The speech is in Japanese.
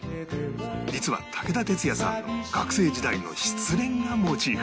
実は武田鉄矢さんの学生時代の失恋がモチーフ